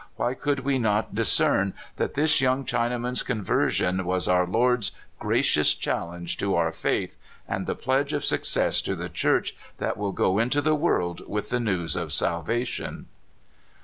why could we not discern that this young Chinaman's conver sion was our Lord's gracious challenge to our faith, and the pledge of success to the Church that will go into all the world with the news of salvation?